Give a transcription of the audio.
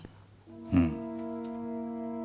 うん。